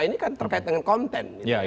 ini kan terkait dengan konten